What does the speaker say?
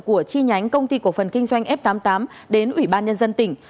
của chi nhánh công ty cổ phần kinh doanh f tám mươi tám đến ủy ban nhân dân tỉnh